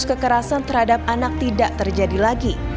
namun kasus kekerasan terhadap anak tidak terjadi lagi